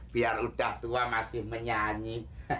biar udah tua masih menyanyi